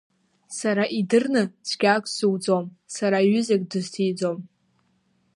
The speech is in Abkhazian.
Сара идырны цәгьак сзуӡом, сара ҩызак дысҭиӡом.